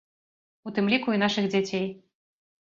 У тым ліку, і нашых дзяцей.